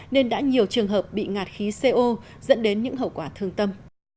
nên đã nhiều trường hợp bị ngạt khí co dẫn đến những hậu quả thương tâm